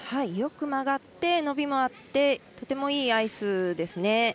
よく曲がって、伸びもありとてもいいアイスですね。